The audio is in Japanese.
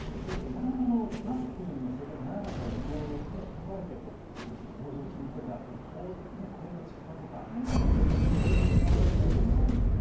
なかなかマスクの生活が長かったので、とかれて、表情筋とか声の力とかきっと何かつながると思います。